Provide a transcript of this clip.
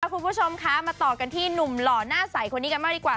คุณผู้ชมคะมาต่อกันที่หนุ่มหล่อหน้าใสคนนี้กันมากดีกว่า